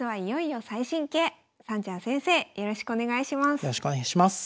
よろしくお願いします。